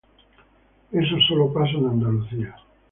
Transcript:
Eso sólo pasa en Andalucía.